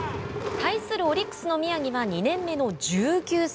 対するオリックスの宮城は２年目の１９歳。